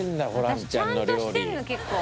私ちゃんとしてんの結構。